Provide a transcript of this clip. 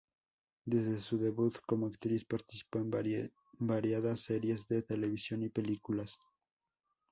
Desde su debut como actriz participó en variadas series de televisión y películas.